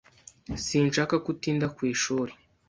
Sinshaka ko utinda ku ishuri.